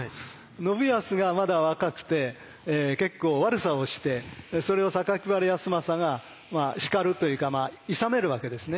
信康がまだ若くて結構悪さをしてそれを榊原康政が叱るというかいさめるわけですね。